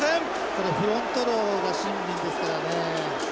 これフロントローがシンビンですからね。